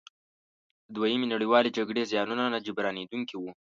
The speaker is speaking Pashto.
د دویمې نړیوالې جګړې زیانونه نه جبرانیدونکي وو.